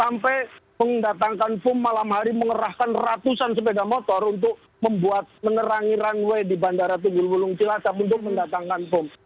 mengendatangkan foam malam hari mengerahkan ratusan sepeda motor untuk membuat menerangi runway di bandara tugul wulung cilacap untuk mendatangkan foam